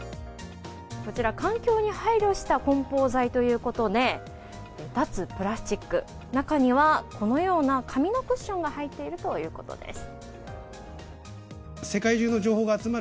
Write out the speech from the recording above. こちら、環境に配慮した梱包材ということで脱プラスチック中には、このような紙のクッションが入っているということです。